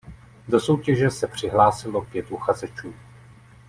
Do soutěže se přihlásilo pět uchazečů.